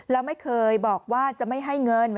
แล้วไม่เคยบอกว่าจะไม่ให้เงิน